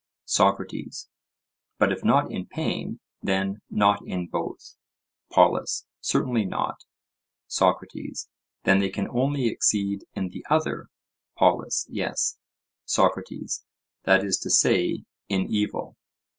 SOCRATES: But if not in pain, then not in both? POLUS: Certainly not. SOCRATES: Then they can only exceed in the other? POLUS: Yes. SOCRATES: That is to say, in evil?